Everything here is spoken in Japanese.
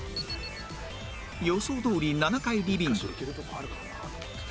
予想どおり７階リビング